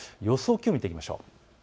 気温を見ていきましょう。